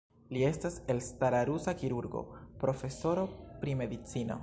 Li estas elstara rusa kirurgo, profesoro pri medicino.